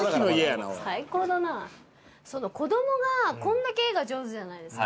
子どもがこんだけ絵が上手じゃないですか。